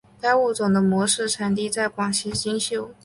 该物种的模式产地在广西金秀。